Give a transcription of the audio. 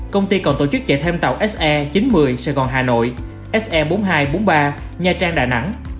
công ty còn tổ chức chạy thêm tàu se chín mươi sài gòn hà nội se bốn nghìn hai trăm bốn mươi ba nha trang đà nẵng